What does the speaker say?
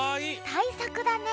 たいさくだね。